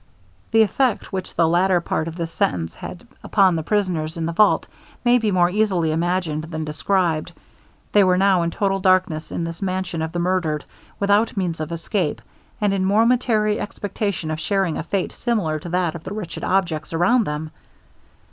The effect which the latter part of this sentence had upon the prisoners in the vault, may be more easily imagined than described. They were now in total darkness in this mansion of the murdered, without means of escape, and in momentary expectation of sharing a fate similar to that of the wretched objects around them.